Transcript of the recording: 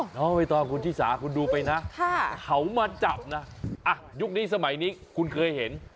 เอ้าตอนคุณฮีซาคุณดูไปนะเขามาจับนะอ่ะยุคนี้สมัยนี้คุณเคยเห็น